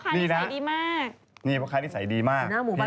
นี่เค้าคล้ายนิสัยดีมาก